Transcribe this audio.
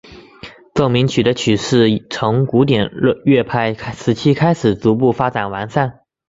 奏鸣曲的曲式从古典乐派时期开始逐步发展完善。